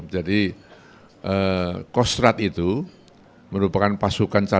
jadi kostrad itu merupakan pasukan pemukul reaksi cepat